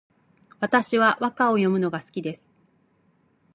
私は和歌を詠むのが好きです